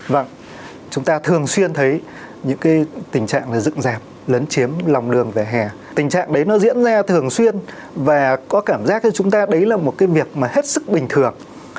vâng chúng ta thường xuyên thấy những cái tình trạng dựng dạp lấn chiếm lòng đường về hè tình trạng đấy nó diễn ra thường xuyên và có cảm giác cho chúng ta đấy là một cái việc mà hết sức bình thường